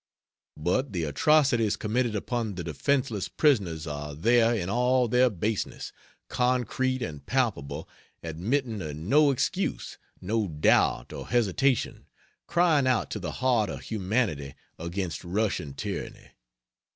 But the atrocities committed upon the defenceless prisoners are there in all their baseness, concrete and palpable, admitting of no excuse, no doubt or hesitation, crying out to the heart of humanity against Russian tyranny.